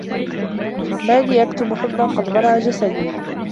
ما لي أُكَتِّمُ حُبًّا قَدْ بَـرَى جَسَـدي